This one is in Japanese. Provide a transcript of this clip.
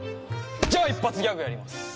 じゃあ一発ギャグやります。